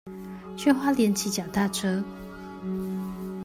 去花蓮騎腳踏車